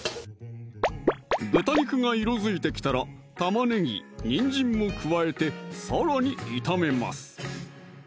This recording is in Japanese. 豚肉が色づいてきたら玉ねぎ・にんじんも加えてさらに炒めます